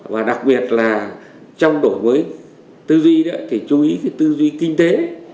và đặc biệt là trong đổ mới tư duy đó phải chú ý cái tư duy kinh tế